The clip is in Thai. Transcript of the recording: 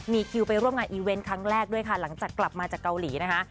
มีคิวไปร่วมงานอีเวนต์ครั้งแรกด้วยค่ะหลังจากกลับมาจากเกาหลีนะคะ